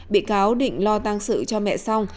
bị cáo định lo tăng sự cho mẹ xong